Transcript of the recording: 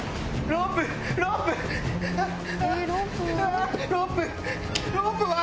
ロープは？